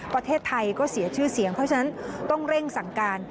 ประเทศไทยก็เสียชื่อเสียงเพราะฉะนั้นต้องเร่งสั่งการ